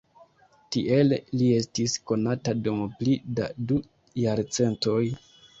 Tiele li estis konata dum pli da du jarcentoj.